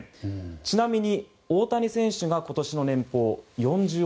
ちなみに、大谷選手が今年の年俸４０億。